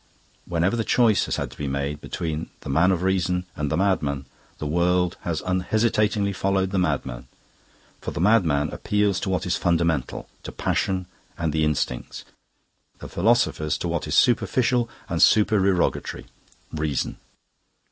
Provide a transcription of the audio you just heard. Wherever the choice has had to be made between the man of reason and the madman, the world has unhesitatingly followed the madman. For the madman appeals to what is fundamental, to passion and the instincts; the philosophers to what is superficial and supererogatory reason."